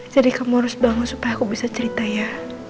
jadi kamu harus bangun supaya aku bisa cerita ya